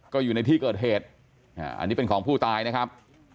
ก็อยู่ในที่เกิดเหตุอันนี้เป็นของผู้ตายนะครับ